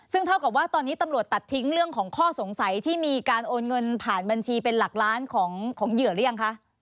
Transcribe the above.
ซึ่งเท่ากับว่าตอนนี้ตำรวจตัดทิ้งเรื่องของข้อสงสัยที่มีการโอนเงินผ่านบัญชีเป็นหลักล้านของเหยื่อหรือยังคะ